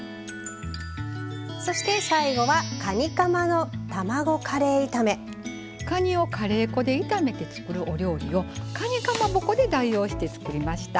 そして最後はかにをカレー粉で炒めて作るお料理をかにかまぼこで代用して作りました。